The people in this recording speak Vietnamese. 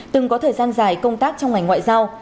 từng có thời gian dài công tác trong ngành ngoại giao